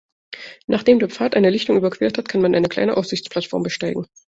Nachdem der Pfad eine Lichtung überquert hat, kann man eine kleine Aussichtsplattform besteigen.